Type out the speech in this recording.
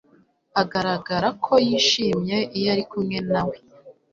Agaragara ko yishimye iyo ari kumwe na we